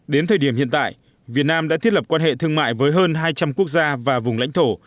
đến thời điểm hiện tại việt nam đã thiết lập quan hệ thương mại với hơn hai trăm linh quốc gia và vùng lãnh thổ